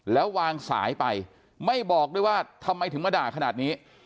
แล้ววางสายไปไม่บอกด้วยว่าทำไมถึงมาด่าขนาดนี้